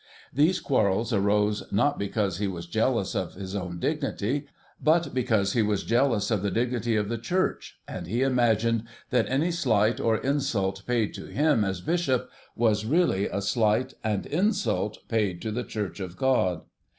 These quarrels arose not because he was jealous of his own dignity, but because he was jealous of the dignity of the Church, and he imagined that any slight or insult paid to him as Bishop, was really a slight and insult paid to the Church of God.